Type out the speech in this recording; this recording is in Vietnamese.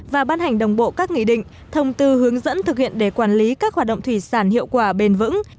và ban hành đồng bộ các nghị định thông tư hướng dẫn thực hiện để quản lý các hoạt động thủy sản hiệu quả bền vững